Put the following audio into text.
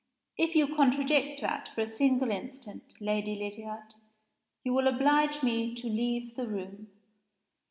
If you contradict that for a single instant, Lady Lydiard, you will oblige me to leave the room."